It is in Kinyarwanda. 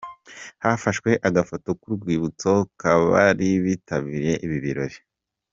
Hafashwe agafoto k'urwibutso kabari bitabiriye ibi birori.